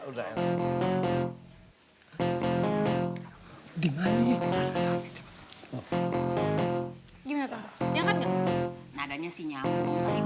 nadanya si nyamu kali itu diangkat